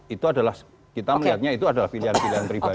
itu adalah kita melihatnya itu adalah pilihan pilihan pribadi